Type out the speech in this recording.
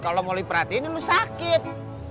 kalau lo mau diperhatiin ini lo sakit